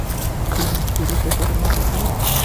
তিনি গুরুতে পরিনত হন।